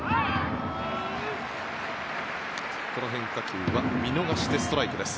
この変化球は見逃してストライクです。